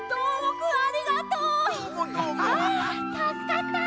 あたすかった！